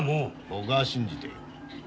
僕は信じている。